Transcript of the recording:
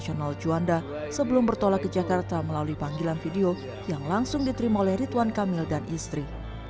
sebelum bertolak ke jakarta melalui panggilan video yang langsung diterima oleh ridwan kamil dan istri